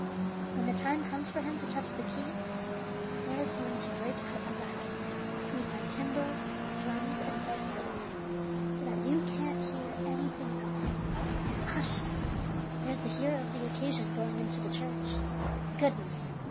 When the time comes for him to touch the keys, there is going to break out a racket made by timbrels, drums, and horse fiddles, so that you can't hear anything else. But hush! there's the hero of the occasion going into the church. Goodness!